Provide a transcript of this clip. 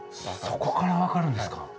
そこから分かるんですか。